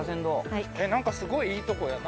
何かすごいいいとこやな。